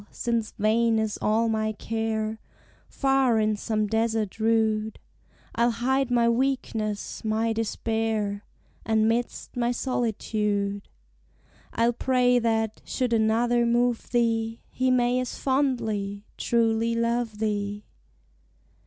since vain is all my care, Far, in some desert rude, I'll hide my weakness, my despair: And, 'midst my solitude, I'll pray, that, should another move thee, He may as fondly, truly love thee.